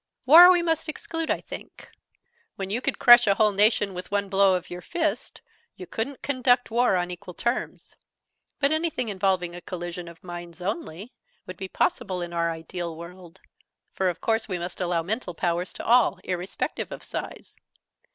"War we must exclude, I think. When you could crush a whole nation with one blow of your fist, you couldn't conduct war on equal terms. But anything, involving a collision of minds only, would be possible in our ideal world for of course we must allow mental powers to all, irrespective of size.